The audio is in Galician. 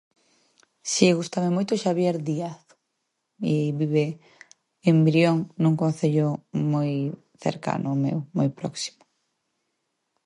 Si, gústame moito Xabier Díaz i vive en Brión, nun concello moi cercano ao meu, moi próximo.